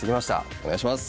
お願いします。